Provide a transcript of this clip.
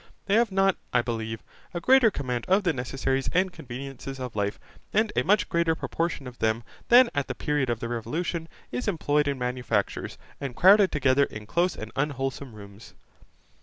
They have not, I believe, a greater command of the necessaries and conveniences of life, and a much greater proportion of them than at the period of the Revolution is employed in manufactures and crowded together in close and unwholesome rooms.